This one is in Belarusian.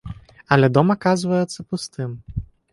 Але дом аказваецца пустым.